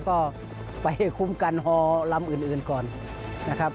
ก็ไปคุ้มกันฮอลำอื่นก่อนนะครับ